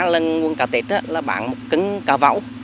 lần nguồn cá tết là bán một cân cá vẫu